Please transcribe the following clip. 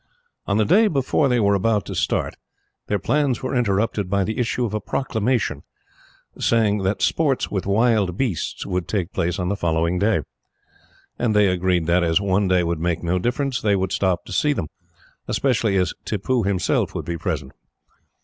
On the day before they were about to start, their plans were interrupted by the issue of a proclamation, saying that sports with wild beasts would take place on the following day; and they agreed that, as one day would make no difference, they would stop to see them, especially as Tippoo himself would be present.